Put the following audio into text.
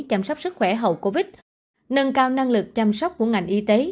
chăm sóc sức khỏe hậu covid nâng cao năng lực chăm sóc của ngành y tế